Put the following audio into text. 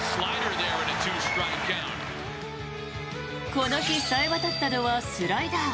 この日冴え渡ったのはスライダー。